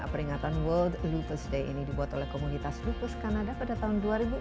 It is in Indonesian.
peringatan world lupus day ini dibuat oleh komunitas lupus kanada pada tahun dua ribu empat